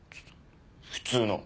普通の。